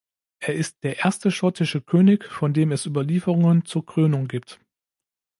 Er ist der erste schottische König, von dem es Überlieferungen zur Krönung gibt.